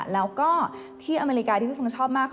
แล้วก็ที่อเมริกาที่พี่คงชอบมาก